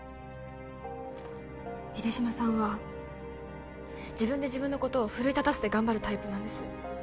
秀島さんは自分で自分のことを奮い立たせて頑張るタイプなんです